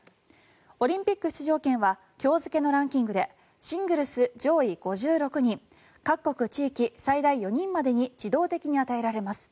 オリンピック出場権は今日付のランキングでシングルス上位５６人各国地域最大４人までに自動的に与えられます。